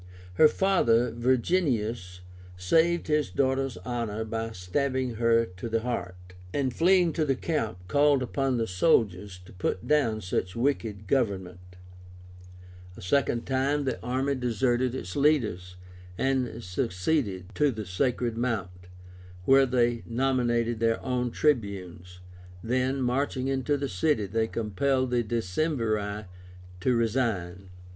Her father, Virginius, saved his daughter's honor by stabbing her to the heart, and fleeing to the camp called upon the soldiers to put down such wicked government. A second time the army deserted its leaders, and seceded to the SACRED MOUNT, where they nominated their own Tribunes. Then, marching into the city, they compelled the Decemviri to resign.